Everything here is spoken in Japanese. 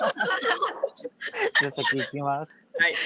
じゃあ先いきます。